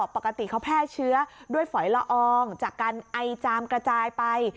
ปกติเขาแพร่เชื้อด้วยฝอยละอองจากการไอจามกระจายไป